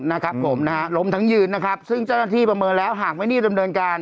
นะครับผมนะฮะลงทั้งยืนนะครับซึ่งเจ้าท่านที่บำเมอแล้วหากไว้